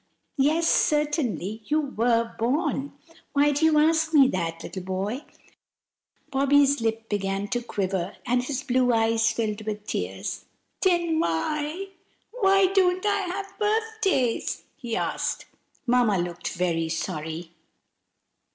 "Yes, certainly you were born. Why do you ask me that, little boy?" Bobby's lip began to quiver, and his blue eyes filled with tears. "Den why,—why don't I have birfdays?" he asked. Mamma looked very sorry.